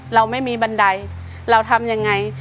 เราไม่มีบันไดเราทำยังไง